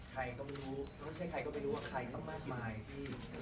ใครก็ไม่รู้ไม่ใช่ใครก็ไม่รู้ว่าใครตั้งมากมายพี่